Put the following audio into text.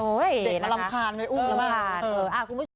เด็กลำคาญไว้อุ้มมาก